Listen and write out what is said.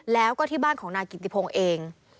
แล้วก็ที่บ้านของนายกิติพงศ์เอง